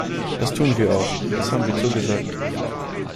Das tun wir auch, das haben wir zugesagt.